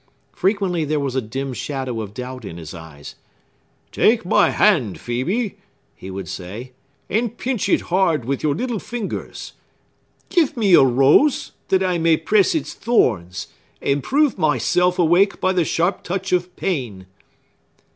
Frequently there was a dim shadow of doubt in his eyes. "Take my hand, Phœbe," he would say, "and pinch it hard with your little fingers! Give me a rose, that I may press its thorns, and prove myself awake by the sharp touch of pain!"